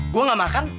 gua ga makan